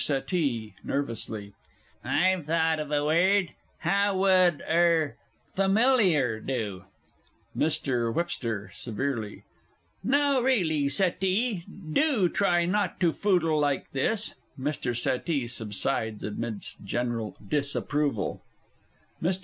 SETTEE. I've thought of a word. How would er "Familiar" do? MR. WH. (severely). Now, really, Settee, do try not to footle like this! [MR. SETTEE subsides amidst general disapproval. MR.